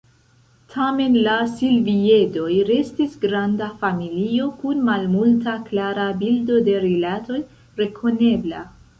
Tamen la silviedoj restis granda familio, kun malmulta klara bildo de rilatoj rekonebla.